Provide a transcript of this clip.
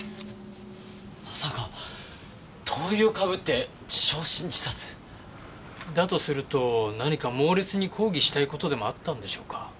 まさか灯油をかぶって焼身自殺？だとすると何か猛烈に抗議したい事でもあったんでしょうか？